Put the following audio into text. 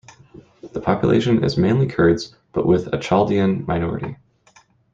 The population is mainly Kurds, but with an Chaldean minority.